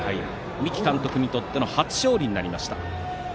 三木監督にとっての初勝利になりました。